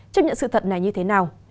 chấp nhận sự thật này như thế nào